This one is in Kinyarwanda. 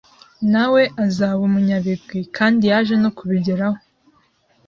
nawe azaba umunyabigwi kandi yaje no kubigeraho